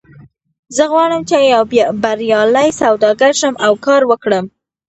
زه غواړم چې یو بریالی سوداګر شم او کار وکړم